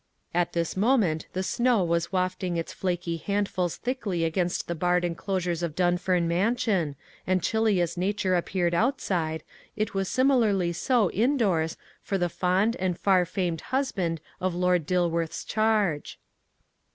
At this moment the snow was wafting its flaky handfuls thickly against the barred enclosures of Dunfern Mansion, and chilly as nature appeared outside, it was similarly so indoors for the fond and far famed husband of Lord Dilworth's charge.